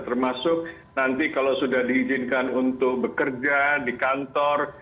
termasuk nanti kalau sudah diizinkan untuk bekerja di kantor